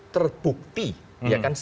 terbukti ya kan